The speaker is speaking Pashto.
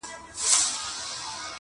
هره ورځ لا جرګې کېږي د مېږیانو!.